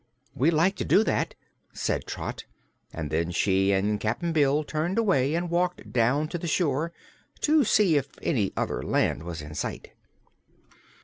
"We'd like to do that," said Trot, and then she and Cap'n Bill turned away and walked down to the shore, to see if any other land was in sight.